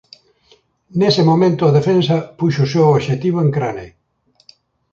Nese momento a defensa puxo o seu obxectivo en Crane.